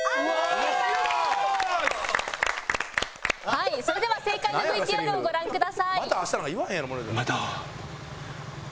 「はいそれでは正解のＶＴＲをご覧ください」また明日。